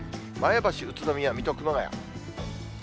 前橋、宇都宮、水戸、熊谷。